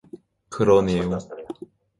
그러네요.